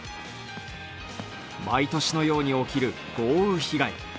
毎年のように起きる豪雨被害。